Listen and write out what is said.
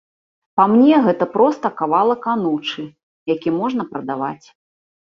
Па мне гэта проста кавалак анучы, які можна прадаваць.